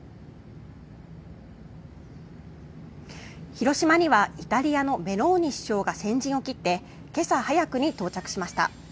広島にはイタリアのメローニ首相が先陣を切って今朝早くに到着しました。